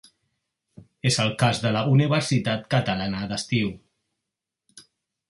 És el cas de la Universitat Catalana d'Estiu.